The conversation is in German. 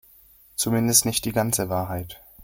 Zumindest nicht die ganze Wahrheit.